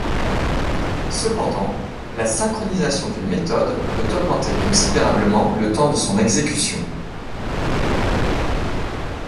Cependant, la synchronisation d'une méthode peut augmenter considérablement le temps de son exécution.